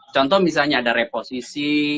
contoh misalnya ada reposisi